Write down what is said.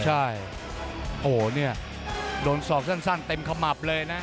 ใช่โอ้โหเนี่ยโดนศอกสั้นเต็มขมับเลยนะ